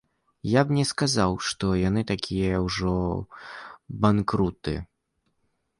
Я б не сказаў, што яны такія ўжо банкруты.